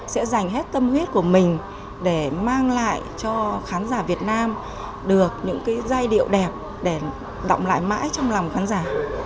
sẽ dành hết tâm huyết của mình để mang lại cho khán giả việt nam được những giai điệu đẹp để động lại mãi trong lòng khán giả